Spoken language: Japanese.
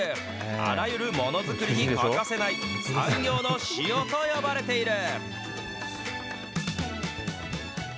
あらゆるものづくりに欠かせない産業の塩と呼ばれている。